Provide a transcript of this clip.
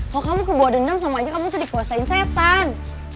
kalau kamu kebawa dendam sama aja kamu tuh dikuasain setan